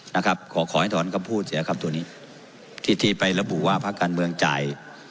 นะครับขอขอให้ถอนคำพูดเสียคำตัวนี้ที่ที่ไประบุว่าภาคการเมืองจ่าย